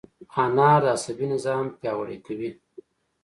انار د عصبي نظام پیاوړی کوي.